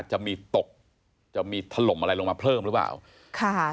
จะมีตกจะมีถล่มอะไรลงมาเพิ่มหรือเปล่าค่ะ